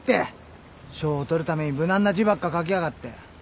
賞を取るために無難な字ばっか書きやがって。